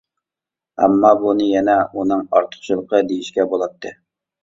ئەمما بۇنى يەنە ئۇنىڭ ئارتۇقچىلىقى دېيىشكە بولاتتى.